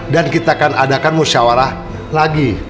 dan kita akan adakan musyawarah lagi